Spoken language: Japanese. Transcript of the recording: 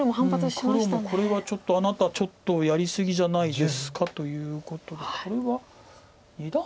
黒もこれは「あなたちょっとやり過ぎじゃないですか」ということでこれは二段バネするんですか。